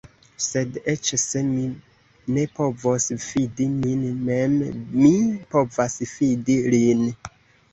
Sed, eĉ se mi ne povos fidi min mem, mi povas fidi lin.